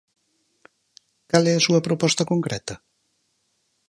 ¿Cal é a súa proposta concreta?